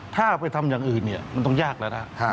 ถ้าไปทำอย่างอื่นเนี่ยมันต้องยากแล้วนะ